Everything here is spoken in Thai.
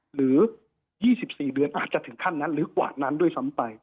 หรือ๒๔เดือนอาจจะถึงขั้นนั้นหรือกว่านั้นด้วยซ้ำไป